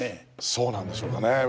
そうなんでしょうかね。